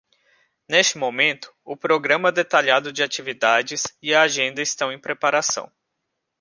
Neste momento, o programa detalhado de atividades e a agenda estão em preparação.